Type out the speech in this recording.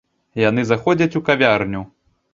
Яны заходзяць у кавярню.